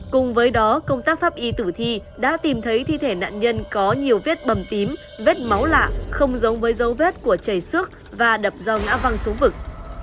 cùng với đó công tác pháp y tử thi đã tìm thấy thi thể nạn nhân có nhiều vết bầm tím vết máu lạ không giống với dấu vết của chảy xước và đập do ngã văng xuống vực